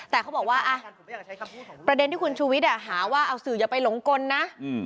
แต่เขาบอกว่าประเด็นที่คุณชูวิทย์หาว่าเอาสื่ออย่าไปหลงกลนะ